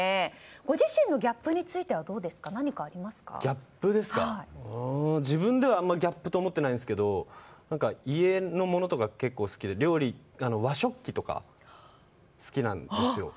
ご自身のギャップについてはうーん自分ではあんまりギャップと思ってないんですけど家のものとか好きで和食器とか好きなんですよ。